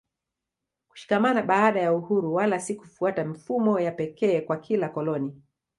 kushikamana baada ya uhuru wala si kufuata mifumo ya pekee kwa kila koloni